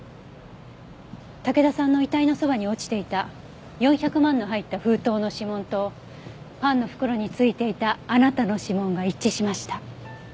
武田さんの遺体のそばに落ちていた４００万の入った封筒の指紋とパンの袋についていたあなたの指紋が一致しました。